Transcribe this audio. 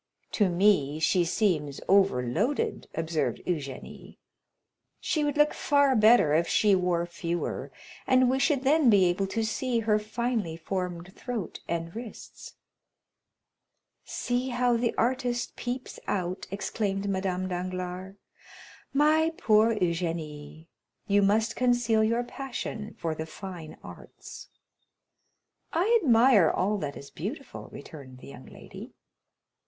"To me she seems overloaded," observed Eugénie; "she would look far better if she wore fewer, and we should then be able to see her finely formed throat and wrists." "See how the artist peeps out!" exclaimed Madame Danglars. "My poor Eugénie, you must conceal your passion for the fine arts." "I admire all that is beautiful," returned the young lady.